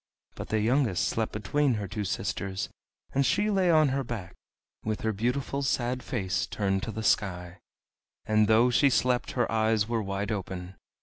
But the youngest slept between her two sisters, and she lay on her back, with her beautiful sad face turned to the sky; and though she slept her eyes were wide open.